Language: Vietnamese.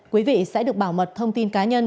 quý vị sẽ được bảo mật thông tin cá nhân